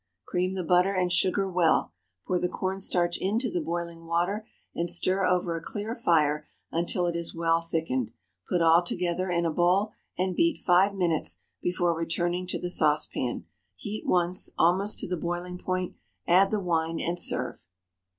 Cream the butter and sugar well; pour the corn starch into the boiling water and stir over a clear fire until it is well thickened; put all together in a bowl and beat five minutes before returning to the saucepan. Heat once, almost to the boiling point, add the wine, and serve.